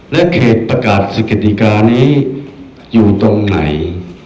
และเขตประกาศสกติกานี้อยู่ตรงไหน